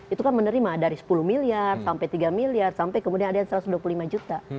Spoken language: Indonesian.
itu kan menerima dari sepuluh miliar sampai tiga miliar sampai kemudian ada yang satu ratus dua puluh lima juta